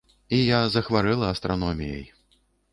І я захварэла астраноміяй.